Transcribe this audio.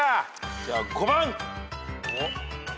じゃあ５番。